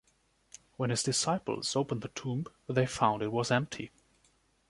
When his disciples opened the tomb, they found it was empty.